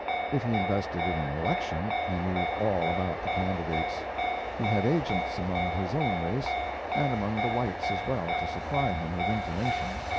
If he invested in an election, he knew all about the candidates. He had agents among his own race, and among the whites as well, to supply him with information.